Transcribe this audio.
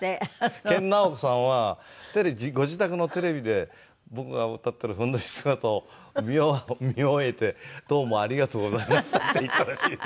研ナオコさんはご自宅のテレビで僕が歌ってるふんどし姿を見終えて「どうもありがとうございました」って言ったらしいです。